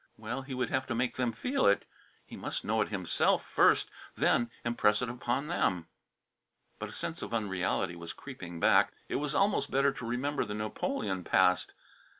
Well, he would have to make them feel it. He must know it himself, first; then impress it upon them. But a sense of unreality was creeping back. It was almost better to remember the Napoleon past.